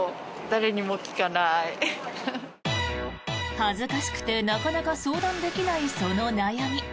恥ずかしくてなかなか相談できないその悩み。